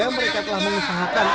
mereka telah mengusahakan